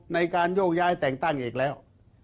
ในการโยกย้ายแต่งตั้งอีกแล้ว